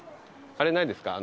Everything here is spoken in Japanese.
あれないですか？